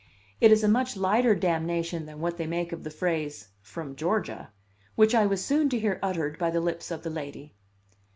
It is a much lighter damnation than what they make of the phrase "from Georgia," which I was soon to hear uttered by the lips of the lady.